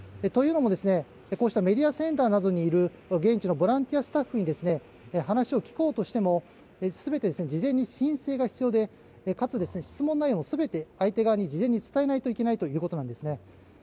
というのも、こうしたメディアセンターなどにいる現地のボランティアスタッフに話を聞こうとしても全て事前に申請が必要でかつ質問内容も全て相手側に伝えないといけないということなんです。